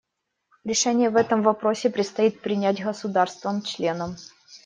Решение в этом вопросе предстоит принять государствам-членам.